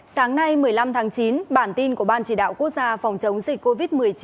sáng nay một mươi năm tháng chín bản tin của ban chỉ đạo quốc gia phòng chống dịch covid một mươi chín